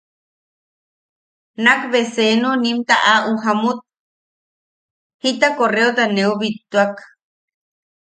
Nak be senu nim taʼaʼu jamut jita correota neu bittuak.